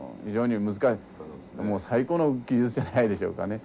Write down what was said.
もう最高の技術じゃないでしょうかね。